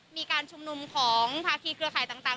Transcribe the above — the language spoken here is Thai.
มีการชุมนุมของภาคีเครือข่ายต่าง